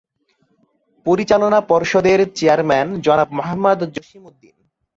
পরিচালনা পর্ষদের চেয়ারম্যান জনাব মোহাম্মদ জসিম উদ্দিন।